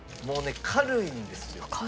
もうね軽いんですよ。